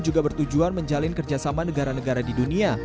juga bertujuan menjalin kerjasama negara negara di dunia